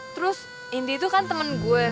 terus indri tuh kan temen gue